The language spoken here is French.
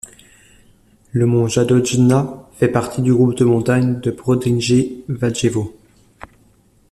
Le mont Jagodnja fait partie du groupe de montagnes de Podrinje-Valjevo.